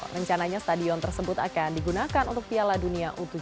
rencananya stadion tersebut akan digunakan untuk piala dunia u tujuh belas